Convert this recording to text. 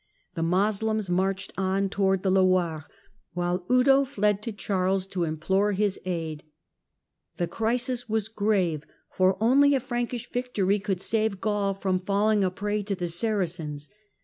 The Moslems marched on towards the Loire, while Eudo fled to Charles to implore his aid. of h T<Si a rs tle The crisis was S rave > for om Y a Prankish victory 732 could save Gaul from falling a prey to the Saracens.